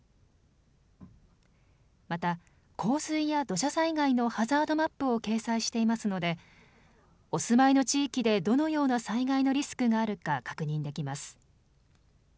また、洪水や土砂災害のハザードマップを掲載していますのでお住まいの地域でどのような災害のリスクがあるか確認できます。